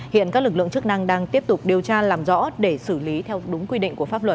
hiện các lực lượng chức năng đang tiếp tục điều tra làm rõ để xử lý theo đúng quy định của pháp luật